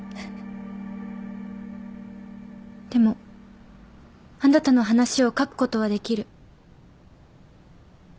でもあなたの話を書くことはできる。